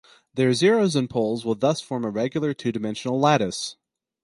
Their zeros and poles will thus form a regular, two-dimensional lattice.